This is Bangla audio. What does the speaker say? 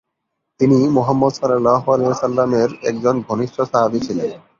তিনি মুহাম্মদ এর একজন ঘনিষ্ঠ সাহাবি ছিলেন।